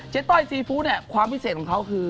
เจ๊ต้อยซีฟู้ดความพิเศษของเขาคือ